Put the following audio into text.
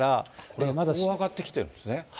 こう上がってきてるんですね？